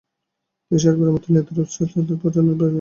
তিনি শেষবারের মতো নীলনদের উৎসস্থলে পৌঁছানোর জন্য বের হলেন।